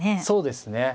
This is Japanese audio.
そうですね。